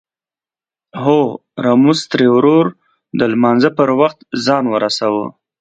هورموز تري ورور د لمانځه پر وخت ځان ورساوه.